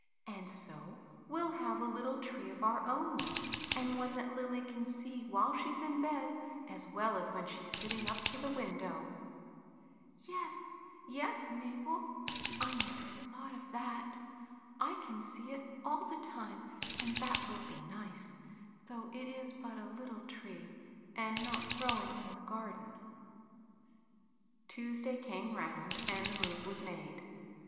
And so we'll have a little tree of our own, and one that Lilly can see while she's in bed as well as when she's sitting up to the window." " Yes, yes, Mabel 1 1 never thought of that. I can see it all the time, and that will be nic^, though it is but a little tree and not growing in the garden." Tuesday came round, and the move was made.